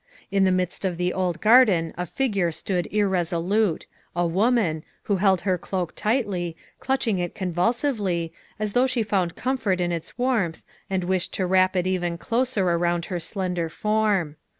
In the midst of the old garden a figure stood irresolute a woman, who held her cloak tightly, clutching it convulsively, as though she found comfort in its warmth and wished to wrap it even closer around her slender form.